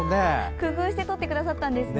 工夫して撮ってくださったんですね。